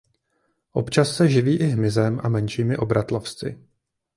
Občas se živí i hmyzem a menšími obratlovci.